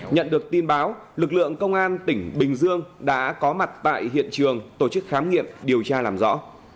nhận được tin báo lực lượng công an tỉnh bình dương đã có mặt tại hiện trường tổ chức khám nghiệm điều tra làm rõ